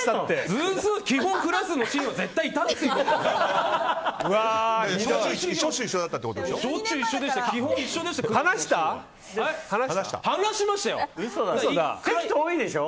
基本、クラスのシーンはいたでしょ。